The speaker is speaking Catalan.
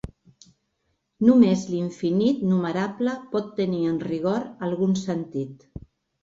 Només l'infinit numerable pot tenir en rigor algun sentit.